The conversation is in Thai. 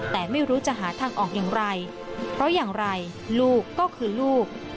แต่ไม่รู้จะหาทางออกอย่างไรเพราะอย่างไรลูกก็คือลูก